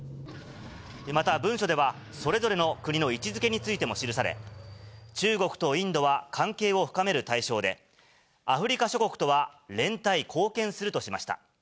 また文書では、それぞれの国の位置づけについても記され、中国とインドは関係を深める対象で、アフリカ諸国とは連帯、貢献するとしました。